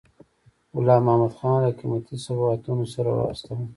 غلام محمدخان له قیمتي سوغاتونو سره واستاوه.